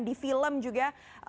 di film juga